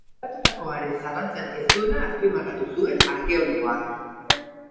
Gertatutakoaren zalantzarik ez duela azpimarratu zuen arkeologoak.